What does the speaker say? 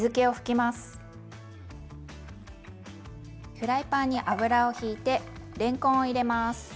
フライパンに油をひいてれんこんを入れます。